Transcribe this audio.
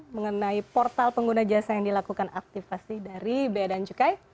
mengenai portal pengguna jasa yang dilakukan aktifasi dari bea dan cukai